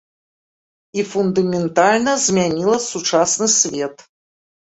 І фундаментальна змяніла сучасны свет.